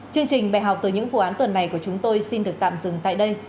chương trình bài học từ những vụ án tuần này của chúng tôi xin được tạm dừng tại đây